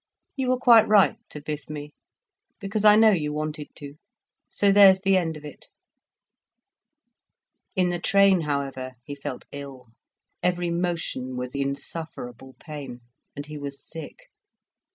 You were quite right, to biff me—because I know you wanted to. So there's the end of it. In the train, however, he felt ill. Every motion was insufferable pain, and he was sick.